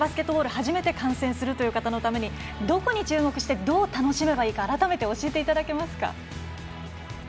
初めて観戦するという方にもどこに注目してどう楽しめばいいか改めて教えていただけますか。